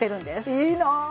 いいなあ！